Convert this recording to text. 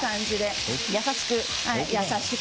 優しく。